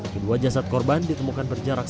kedua jasad korban ditemukan berjarak